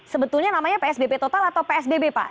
sebetulnya namanya psbb total atau psbb pak